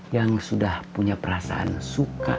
yang sudah punya perasaan suka